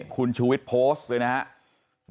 คุณชูวิทย์โพสต์เลยนะครับ